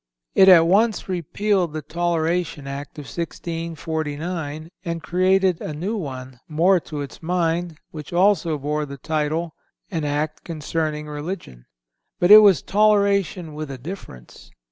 It at once repealed the Toleration Act of 1649 and created a new one, more to its mind, which also bore the title: "An Act concerning Religion," but it was toleration with a difference.